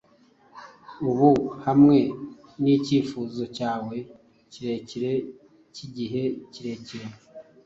ubu hamwe nicyifuzo cyawe kirekire cyigihe kirekire